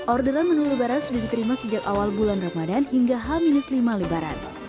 orderan menu lebaran sudah diterima sejak awal bulan ramadan hingga h lima lebaran